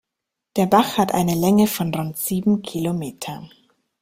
Der Bach hat eine Länge von rund sieben Kilometer.